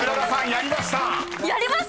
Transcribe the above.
やりました！